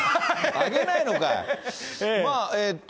上げないのかい。